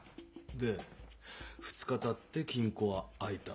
で２日たって金庫は開いた。